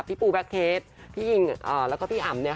พี่ปูแบคเคสพี่อิงนะ